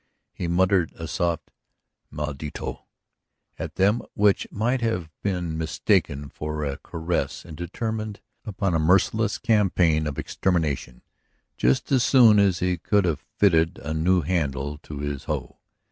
He muttered a soft "maldito!" at them which might have been mistaken for a caress and determined upon a merciless campaign of extermination just as soon as he could have fitted a new handle to his hoe.